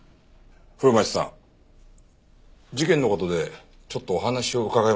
古町さん事件の事でちょっとお話を伺えますか？